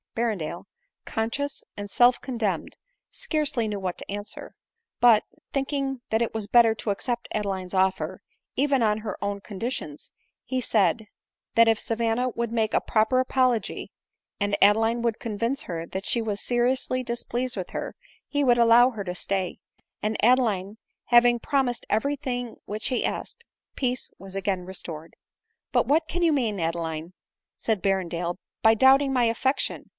Berrendale, conscious and self condemned, scarcely knew what to answer ; but,' thinking that it was better to accept Adeline's offer, even on her own conditions, he said, that if Savanna would make a proper apology, and 20 226 ADELINE MOWBRAY. Adeline would convince her that she was seriously dis pleased with her, he would allow her to stay ; and Adeline having, promised every thing which he asked, peace was again restored. " But what can you mean, Adeline," said Berrendale, "by doubting my affection